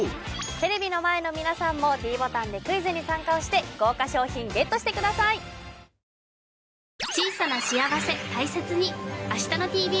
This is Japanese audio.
テレビの前の皆さんもｄボタンでクイズに参加をして豪華賞品ＧＥＴしてくださいかしこく食べたいうわ！